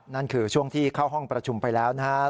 นั่นคือช่วงที่เข้าห้องประชุมไปแล้วนะครับ